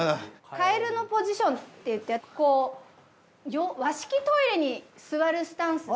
カエルのポジションっていってこう和式トイレに座るスタンスで。